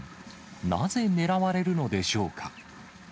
なぜ、狙われるのでしょうか。